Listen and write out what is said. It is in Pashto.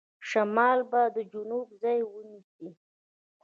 شمال به د جنوب ځای ونیسي.